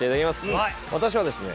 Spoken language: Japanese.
私はですね